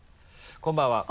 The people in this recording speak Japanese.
こんばんは。